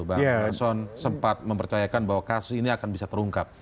bang nelson sempat mempercayakan bahwa kasus ini akan bisa terungkap